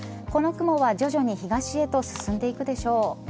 この雲は徐々に東へと進んでいくでしょう。